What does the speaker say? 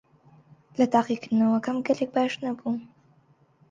لە تاقیکردنەوەکەم گەلێک باش نەبووم.